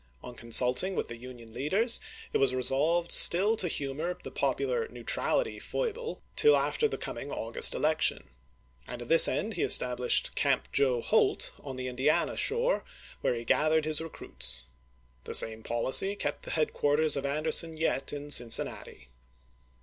On consulting with the Union leaders, it was resolved still to humor the popular " neutral ity " foible till after the coming August election ; and to this end he established " Camp Joe Holt," X TrSy^f ' on the Indiana shore, where he gathered his re beriancu emits. The same policy kept the headquarters of ° ie." ^' Anderson yet in Cincinnati.